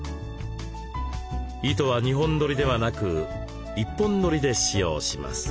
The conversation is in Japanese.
糸は２本どりではなく１本どりで使用します。